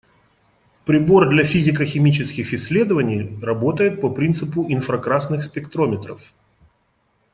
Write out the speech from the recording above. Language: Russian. Прибор для физико‑химических исследований работает по принципу инфракрасных спектрометров.